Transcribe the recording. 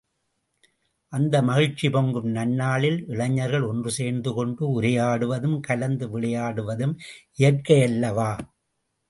அந்த மகிழ்ச்சி பொங்கும் நன்னாளில், இளைஞர்கள் ஒன்று சேர்ந்துகொண்டு உரையாடுவதும், கலந்து விளையாடுவதும் இயற்கையல்லவா!